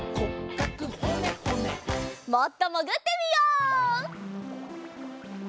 もっともぐってみよう！